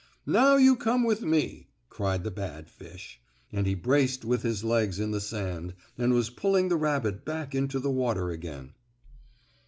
"Now you come with me!" cried the bad fish, and he braced with his legs in the sand and was pulling the rabbit back into the water again.